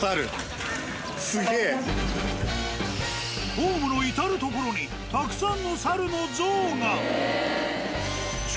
ホームの至る所にたくさんの猿の像が。